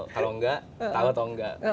kalau enggak tahu atau enggak